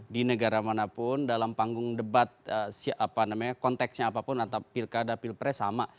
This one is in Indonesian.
di negara manapun dalam panggung debat konteksnya apapun atau pilkada pilpres sama